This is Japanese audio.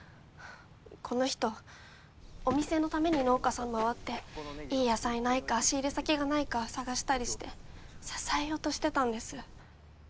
この人お店のために農家さんまわっていい野菜ないか仕入れ先がないか探したりして支えようとしてたんです